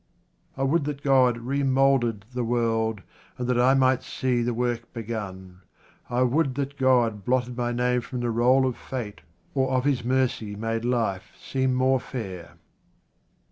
I would that God remoulded the world, and that I might see the work begun. I would that God blotted my name from the roll of fate, or of His mercy made life seem more fair.